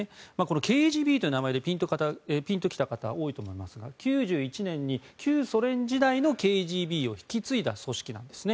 ＫＧＢという名前でピンと来た方も多いと思いますが９１年に旧ソ連時代のＫＧＢを引き継いだ組織なんですね。